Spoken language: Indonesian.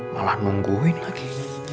malah nungguin lagi